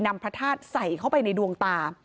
พระธาตุใส่เข้าไปในดวงตา